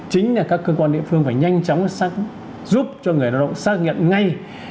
chính là các cơ quan địa phương phải nhanh chóng giúp cho người lao động xác nhận ngay